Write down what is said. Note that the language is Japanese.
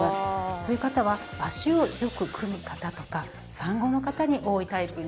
そういう方は足をよく組む方とか産後の方に多いタイプになります。